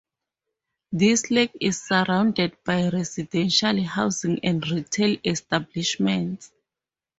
This lake is surrounded by residential housing and retail establishments.